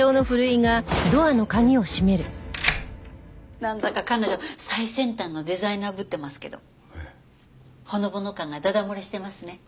なんだか彼女最先端のデザイナーぶってますけどほのぼの感がだだ漏れしてますね。